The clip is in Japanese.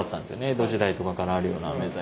江戸時代とかからあるあめ細工。